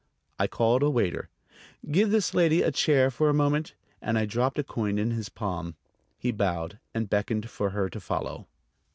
I called a waiter. "Give this lady a chair for a moment;" and I dropped a coin in his palm. He bowed, and beckoned for her to follow....